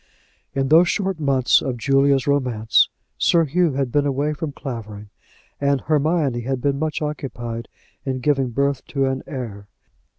In those short months of Julia's romance Sir Hugh had been away from Clavering, and Hermione had been much occupied in giving birth to an heir.